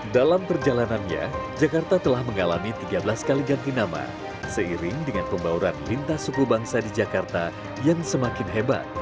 dalam perjalanannya jakarta telah mengalami tiga belas kali ganti nama seiring dengan pembauran lintas suku bangsa di jakarta yang semakin hebat